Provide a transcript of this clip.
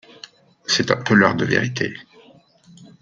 C’est un peu l’heure de vérité.